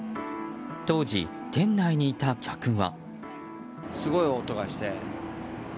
当時、店内にいた客は。